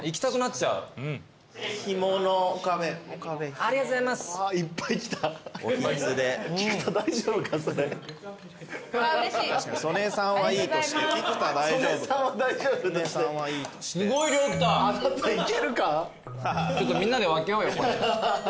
ちょっとみんなで分けようよ。